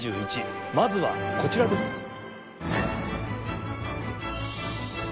まずはこちらです。